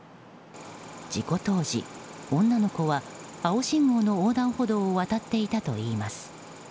事故当時女の子は青信号の横断歩道を渡っていたといいます。